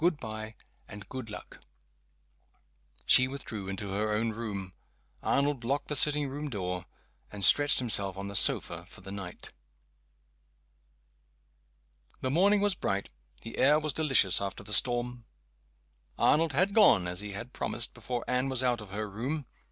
Good by, and good luck!" She withdrew into her own room. Arnold locked the sitting room door, and stretched himself on the sofa for the night. The morning was bright, the air was delicious after the storm. Arnold had gone, as he had promised, before Anne was out of her room.